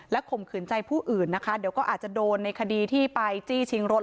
ข่มขืนใจผู้อื่นนะคะเดี๋ยวก็อาจจะโดนในคดีที่ไปจี้ชิงรถ